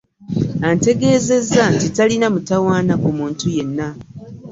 Antegeezezza nti talina mutawaana ku muntu yenna.